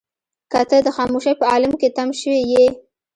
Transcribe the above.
که ته د خاموشۍ په عالم کې تم شوې يې.